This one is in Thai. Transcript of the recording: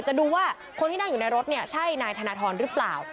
ดูว่าคนที่นั่งอยู่ในรถเนี่ยใช่นายธนทรหรือเปล่า